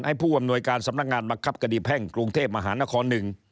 ผู้อำนวยการสำนักงานบังคับคดีแพ่งกรุงเทพมหานคร๑